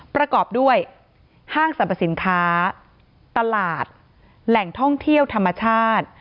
ประกอบด้วยห้างสรรพสินค้าตลาดแหล่งท่องเที่ยวธรรมชาติ